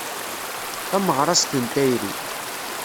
Tameɣrast n tayri.